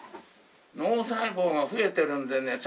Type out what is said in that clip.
脳細胞が増えてるんでね